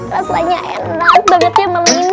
rasanya enak banget ya malam ini